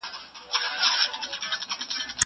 زه به سبا پاکوالي وساتم!!